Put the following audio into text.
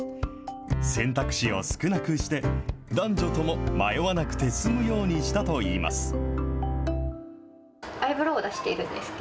選択肢を少なくして、男女とも迷わなくて済むようにしたといいます。